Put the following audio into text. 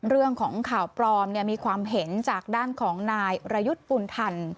เรื่องของข่าวปลอมมีความเห็นจากด้านของนายประยุทธ์บุญธรรม